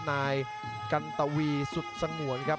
นายกันตวีสุดสงวนครับ